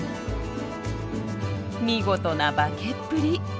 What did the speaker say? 見事な化けっぷり。